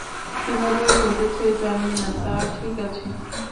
কীভাবে ঘটেছে জানি না তা, ঠিক আছে?